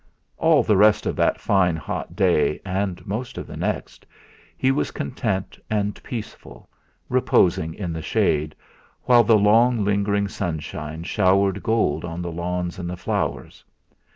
All the rest of that fine hot day and most of the next he was content and peaceful, reposing in the shade, while the long lingering sunshine showered gold on the lawns and the flowers.